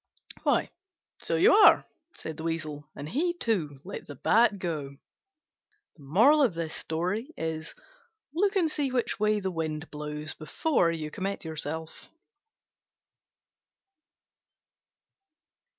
"Why, so you are," said the Weasel; and he too let the Bat go. Look and see which way the wind blows before you commit yourself.